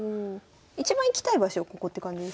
一番行きたい場所はここって感じですか？